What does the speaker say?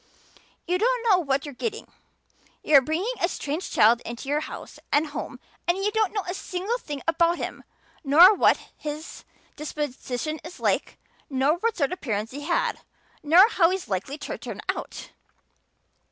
You don't know what you're getting. You're bringing a strange child into your house and home and you don't know a single thing about him nor what his disposition is like nor what sort of parents he had nor how he's likely to turn out.